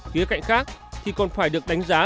khía cạnh khác thì còn phải được đánh giá